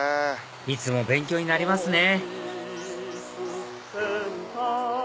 いつも勉強になりますね